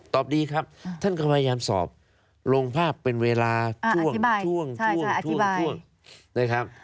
ตอบดีครับท่านก็พยายามสอบลงภาพเป็นเวลาช่วงช่วงนะครับ